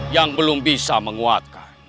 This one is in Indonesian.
yang belum bisa menguatkan